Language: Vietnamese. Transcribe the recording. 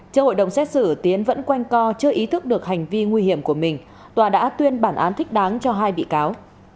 trước hội đồng xét xử tiến vẫn quanh co chưa ý thức được hành vi nguy hiểm của mình tòa đã tuyên bản án thích đáng cho hai bị cáo